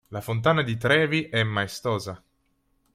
La fontana di Trevi è maestosa.